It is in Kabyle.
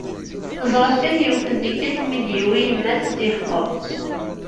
Teẓra-t kan yiwet n tikelt mi d-yiwi yemma-s ad tt-yexḍeb.